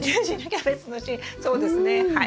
そうですねはい。